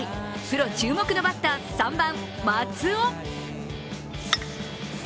プロ注目のバッター３番・松尾。